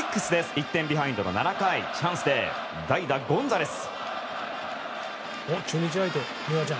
１点ビハインドの７回チャンスで代打、ゴンザレス。